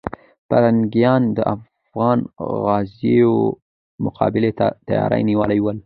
پرنګیان د افغان غازیو مقابلې ته تیار نه ول.